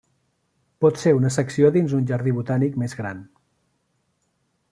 Pot ser una secció dins un jardí botànic més gran.